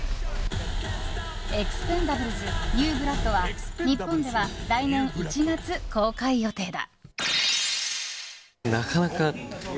「エクスペンダブルズニューブラッド」は日本では来年１月公開予定だ。